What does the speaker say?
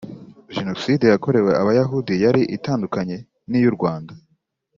genoside yakorewe abayahudi yari itandukanye niyu rwanda